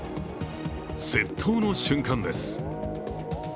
窃盗の瞬間です。